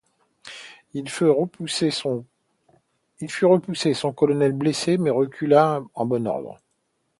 Il fut repoussé, son colonel blessé, mais recula en bon ordre.